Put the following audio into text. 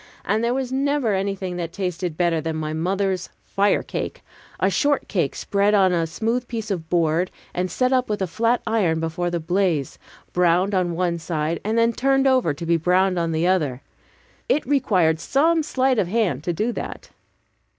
And there was never was anything that tasted better than my mother's "firecake," a short cake spread on a smooth piece of board, and set up with a flat iron before the blaze, browned on one side, and then turned over to be browned on the other. (It required some sleight of hand to do that.)